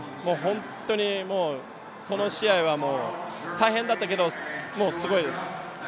本当にもう、この試合は大変だったけれども、もうすごいです。